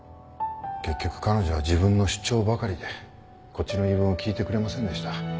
結局彼女は自分の主張ばかりでこっちの言い分を聞いてくれませんでした。